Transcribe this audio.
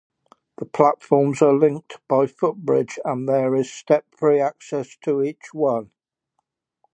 The platforms are linked by footbridge and there is step-free access to each one.